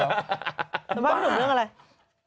สภาพพี่หนุ่มเรื่องอะไร